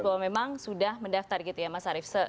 bahwa memang sudah mendaftar gitu ya mas arief